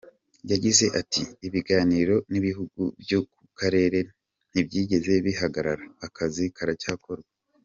Yagize ati “Ibiganiro n’ibihugu byo mu Karere ntibyigeze bihagarara, akazi karacyakorwa.